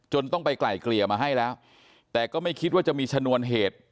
ต้องไปไกลเกลี่ยมาให้แล้วแต่ก็ไม่คิดว่าจะมีชนวนเหตุ